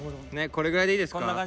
これぐらいでいいですか？